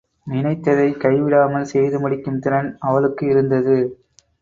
நினைத்ததைக் கைவிடாமல் செய்து முடிக்கும் திறன் அவளுக்கு இருந்தது.